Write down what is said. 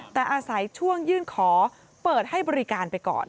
แต่อาศัยช่วงยื่นขอเปิดให้บริการไปก่อน